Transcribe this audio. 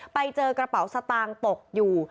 ไปเจอกระเป๋าสตางค์ตกอยู่